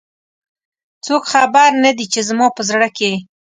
څوک خبر نه د ی، چې زما په زړه کې